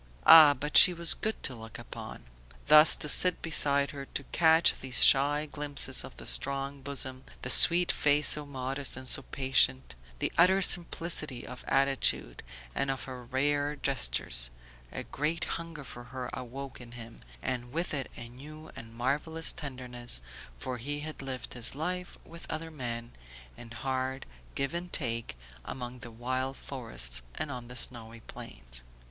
Ah, but she was good to look upon! Thus to sit beside her, to catch these shy glimpses of the strong bosom, the sweet face so modest and so patient, the utter simplicity of attitude and of her rare gestures; a great hunger for her awoke in him, and with it a new and marvellous tenderness, for he had lived his life with other men, in hard give and take, among the wild forests and on the snowy plains.